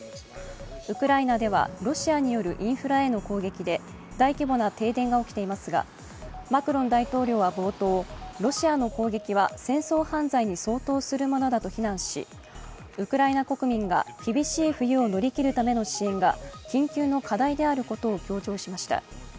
ウクライナでは、ロシアによるインフラへの攻撃で大規模な停電が起きていますが、マクロン大統領は冒頭、ロシアの攻撃は戦争犯罪に相当するものだと非難し、ウクライナ国民が厳しい冬を乗り切るための支援が緊急の課題であることを強調しました。